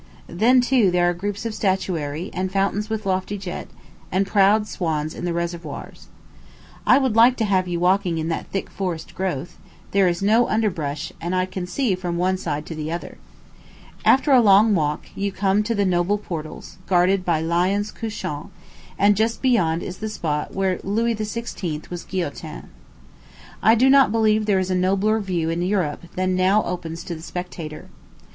Then, too, there are groups of statuary, and fountains with lofty jet, and proud swans in the reservoirs. I would like to have you walking in that thick forest growth; there is no underbrush; I can see from one side to the other. After a long walk, you come to the noble portals, guarded by lions couchant, and just beyond is the spot where Louis XVI. was guillotined. I do not believe there is a nobler view in Europe than now opens to the spectator.